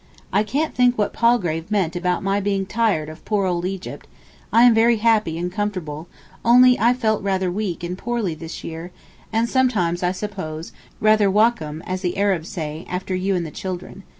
I can't think what Palgrave meant about my being tired of poor old Egypt; I am very happy and comfortable, only I felt rather weak and poorly this year, and sometimes, I suppose, rather wacham, as the Arabs say, after you and the children.